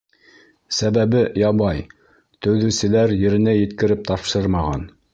— Сәбәбе ябай: төҙөүселәр еренә еткереп тапшырмаған.